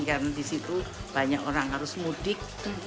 karena disitu banyak orang harus mudik